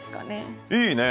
いいねえ。